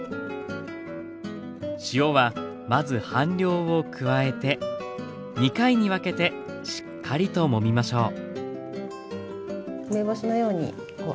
塩はまず半量を加えて２回に分けてしっかりともみましょう。